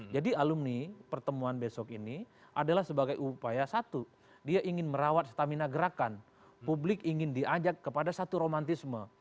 jadi alumni pertemuan besok ini adalah sebagai upaya satu dia ingin merawat stamina gerakan publik ingin diajak kepada satu romantisme